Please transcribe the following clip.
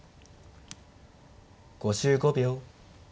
５５秒。